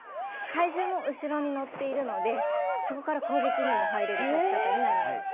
体重も後ろに乗っているのでそこから攻撃にも入れる立ち方になります。